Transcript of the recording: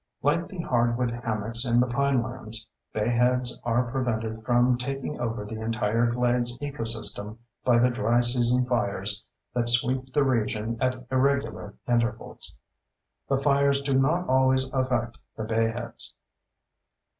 Like the hardwood hammocks in the pinelands, bayheads are prevented from taking over the entire glades ecosystem by the dry season fires that sweep the region at irregular intervals. The fires do not always affect the bayheads.